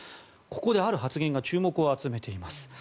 ここで、ある発言が注目を集めています。